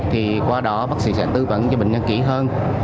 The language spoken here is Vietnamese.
thì qua đó bác sĩ sẽ tư vấn cho bệnh nhân kỹ hơn